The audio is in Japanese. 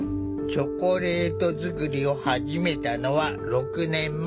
チョコレート作りを始めたのは６年前。